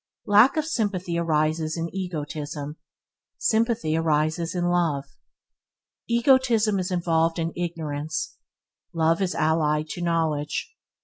Lack of sympathy arises in egotism; sympathy arises in love. Egotism is involved in ignorance; love is allied to knowledge.